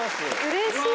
うれしい。